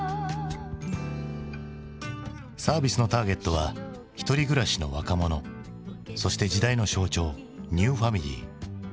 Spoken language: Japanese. サービスのターゲットは一人暮らしの若者そして時代の象徴ニューファミリー。